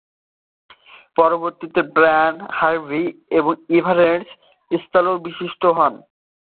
পরবর্তীতে Brian Harvey ইভান্সের স্থলাভিষিক্ত হন।